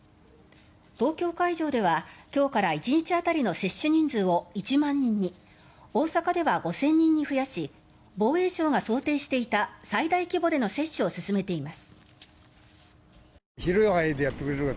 東京会場では今日から１日当たりの接種人数を１万人に大阪では５０００人に増やし防衛省が想定していた最大規模での接種を進めています。